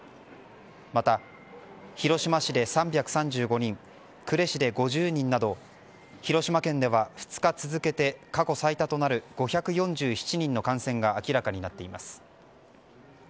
また、広島市で３３５人呉市で５０人など広島県では２日続けて過去最多となる５４７人の感染が明らかになっています。